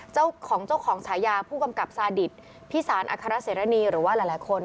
เจ้าของเจ้าของฉายาผู้กำกับซาดิตพิสารอัครเสรณีหรือว่าหลายคน